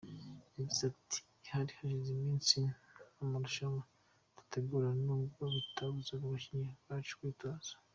Yagize ati “Hari hashize iminsi nta marushanwa dutegura nubwo bitabuzaga abakinnyi bacu kwitoza.